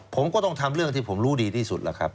ผมก็ต้องทำเรื่องที่ผมรู้ดีที่สุดล่ะครับ